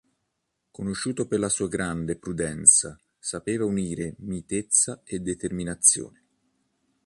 Conosciuto per la sua grande prudenza, sapeva unire mitezza e determinazione.